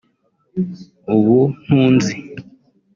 ubuntunzi